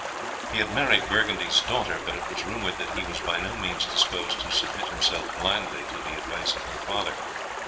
He had married Burgundy's daughter, but it was rumoured that he was by no means disposed to submit himself blindly to the advice of her father.